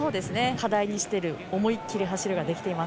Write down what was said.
課題にしている思いっきり走るが出ています。